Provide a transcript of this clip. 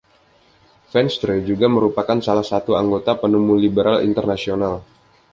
Venstre juga merupakan salah satu anggota penemu Liberal International.